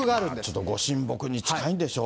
ちょっとご神木に近いんでしょう。